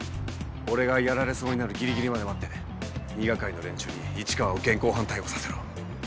俺がやられそうになるギリギリまで待って二係の連中に市川を現行犯逮捕させろ。